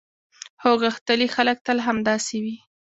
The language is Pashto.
هو، غښتلي خلک تل همداسې وي.